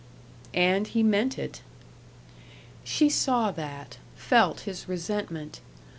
And he meant it. She saw that, felt his resentment.